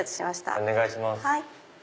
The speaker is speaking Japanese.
お願いします。